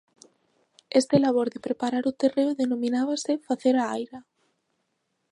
Este labor de preparar o terreo denominábase "facer a aira".